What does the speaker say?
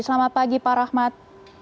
selamat pagi pak rahmat